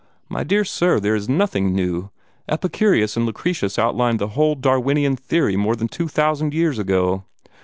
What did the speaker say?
My dear sir, there is nothing new. Epicurus and Lucretius outlined the whole Darwinian theory more than two thousand years ago.